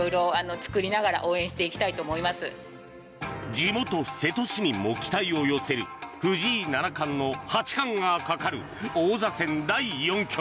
地元・瀬戸市民も期待を寄せる藤井七冠の八冠がかかる王座戦第４局。